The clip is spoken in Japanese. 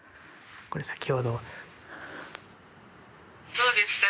どうですか？